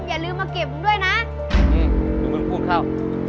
อย่าลืมมาเก็บมึงด้วยนะนี่มึงพูดเข้า